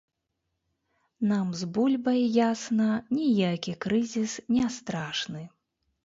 Нам з бульбай, ясна, ніякі крызіс не страшны.